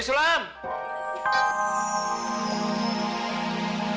mak nuli awas percaya ya